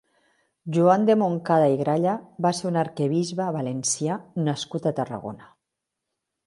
Joan de Montcada i Gralla va ser un arquebisbe valencià nascut a Tarragona.